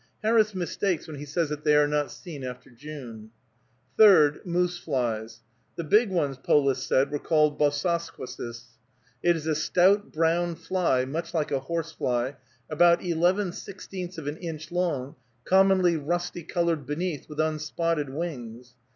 Harris mistakes when he says that they are not seen after June. Third, moose flies. The big ones, Polis said, were called Bososquasis. It is a stout, brown fly, much like a horse fly, about eleven sixteenths of an inch long, commonly rusty colored beneath, with unspotted wings.